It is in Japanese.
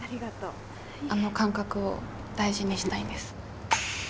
あの感覚を大事にしたいんです。